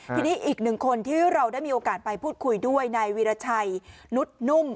ทีนี้อีกหนึ่งคนที่เราได้มีโอกาสไปพูดคุยด้วยนายวีรชัยนุษย์นุ่ม